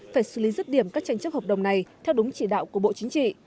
phải xử lý rứt điểm các tranh chấp hợp đồng này theo đúng chỉ đạo của bộ chính trị